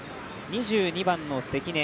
２２番の関根